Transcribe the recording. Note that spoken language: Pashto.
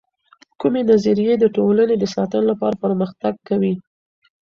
کومې نظریې د ټولنې د ساتنې لپاره پر مختګ کوي؟